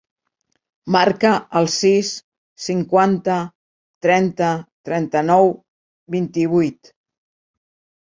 Marca el sis, cinquanta, trenta, trenta-nou, vint-i-vuit.